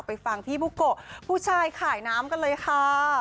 ฟังพี่บุโกะผู้ชายขายน้ำกันเลยค่ะ